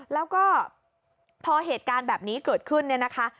แล้วก็พอเหตุการณ์แบบนี้เกิดขึ้นเนี่ยนะคะ